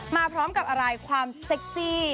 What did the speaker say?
มาพร้อมกับอะไรความเซ็กซี่